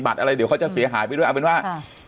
บอกก็นุ่นว่า